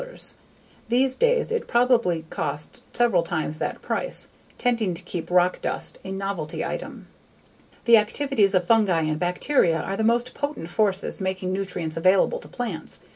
These days it probably costs several times that price, tending to keep rock dust a novelty item. The activities of fungi and bacteria are the most potent forces making nutrients available to plants.